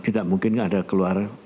tidak mungkin ada keluar